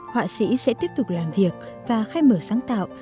họa sĩ sẽ tiếp tục làm việc và khai mở sáng tạo